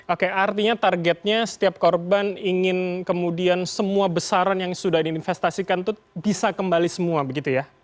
oke artinya targetnya setiap korban ingin kemudian semua besaran yang sudah diinvestasikan itu bisa kembali semua begitu ya